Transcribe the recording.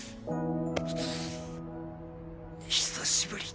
久しぶり。